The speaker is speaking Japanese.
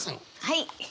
はい。